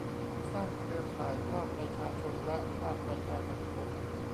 สร้างเครือข่ายภาคประชาชนและภาคประชาสังคม